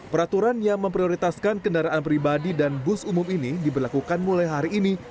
peraturan yang memprioritaskan kendaraan pribadi dan bus umum ini diberlakukan mulai hari ini